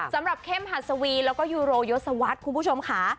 สำหรับเข้มฮัศวีแล้วก็ยูโรยสวัสคุณผู้ชมค่ะ